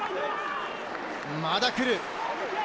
まだくる。